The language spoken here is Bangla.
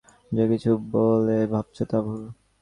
তুমিই ব্রহ্ম, আর তুমি নিজেকে আর যা কিছু বলে ভাবছ, তা ভুল।